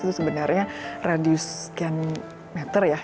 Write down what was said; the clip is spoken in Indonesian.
itu sebenarnya radius sekian meter ya